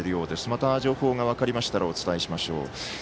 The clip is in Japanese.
また情報が分かりましたらお伝えしましょう。